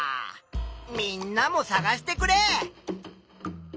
みんなもさがしてくれ。